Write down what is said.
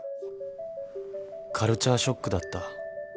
［カルチャーショックだった。］